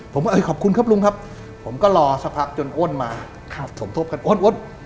ผมโอ้ยขอบคุณครับหลุงครับผมก็รอสักพักจนโอนมาส่งทบกันโอน